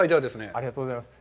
ありがとうございます。